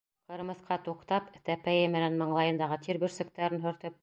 Ҡырмыҫҡа, туҡтап, тәпәйе менән маңлайындағы тир бөрсөктәрен һөртөп: